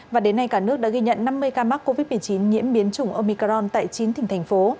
và đến nay cả nước đã ghi nhận năm mươi ca mắc covid một mươi chín nhiễm biến chủng omicron tại chín tỉnh thành phố